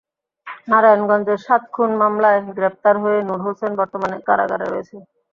নারায়ণগঞ্জের সাত খুন মামলায় গ্রেপ্তার হয়ে নূর হোসেন বর্তমানে কারাগারে রয়েছেন।